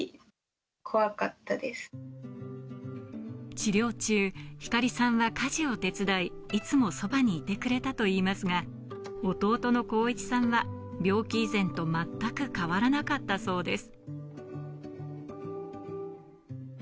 治療中、光理さんは家事を手伝い、いつもそばにいてくれたといいますが、弟の光一さんは病気以前と全く変わらなかったそうです。